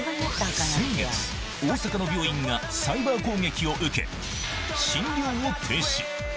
先月、大阪の病院がサイバー攻撃を受け、診療を停止。